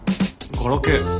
ガラケー。